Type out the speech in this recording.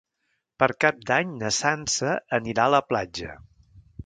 Per Cap d'Any na Sança anirà a la platja.